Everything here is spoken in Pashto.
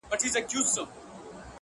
څوک وایي گران دی _ څوک وای آسان دی _